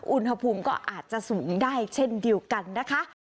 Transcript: อุณหภูมิก็อาจจะสูงได้เช่นเดียวกันนะคะ